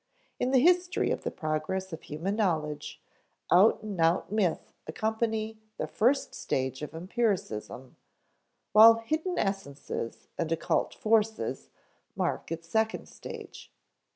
In the history of the progress of human knowledge, out and out myths accompany the first stage of empiricism; while "hidden essences" and "occult forces" mark its second stage.